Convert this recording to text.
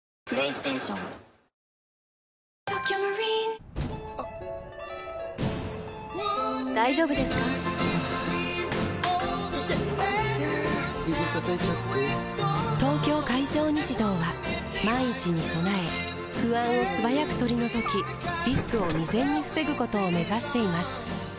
指たたいちゃって・・・「東京海上日動」は万一に備え不安を素早く取り除きリスクを未然に防ぐことを目指しています